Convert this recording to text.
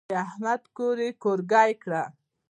د احمد کور يې کورګی کړ.